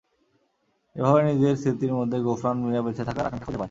এভাবে নিজের স্মৃতির মধ্যে গোফরান মিয়া বেঁচে থাকার আকাঙ্ক্ষা খুঁজে পায়।